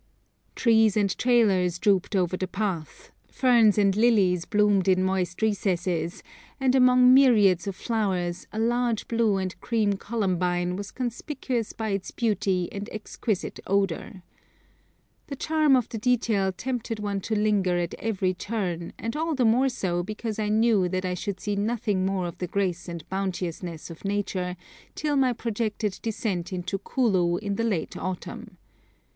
Trees and trailers drooped over the path, ferns and lilies bloomed in moist recesses, and among myriads of flowers a large blue and cream columbine was conspicuous by its beauty and exquisite odour. The charm of the detail tempted one to linger at every turn, and all the more so because I knew that I should see nothing more of the grace and bounteousness of Nature till my projected descent into Kulu in the late autumn.